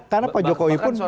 karena pak jokowi pun